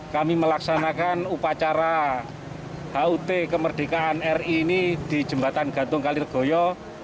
kami melaksanakan upacara hut kemerdekaan ri ini di jembatan gantung kalirgoyo